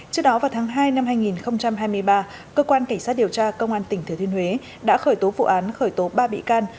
trước đó vào tháng hai năm hai nghìn hai mươi ba cơ quan cảnh sát điều tra công an tỉnh thừa thiên huế đã khởi tố vụ án khởi tố ba bị can